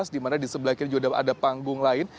dimana di sebelah kiri juga ada panggung lain